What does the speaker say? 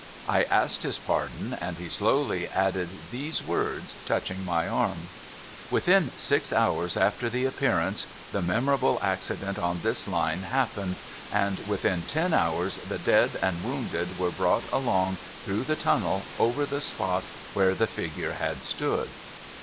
I asked his pardon, and he slowly added these words, touching my arm,— ' Within six hours after the Appearance, the memorable accident on this Line happened, and within ten hours the dead and wounded were brought along through the tunnel over the spot where the figure had stood.'